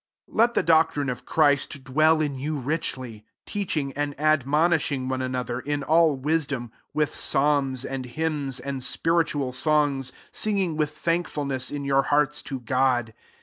16 Let the doctrine of Christ dwell in you richly: teaching and admonishing one another, in all wisdom, with psalms, and hymns, and spiritual songs; singing with thankfulness in your hearts, to God.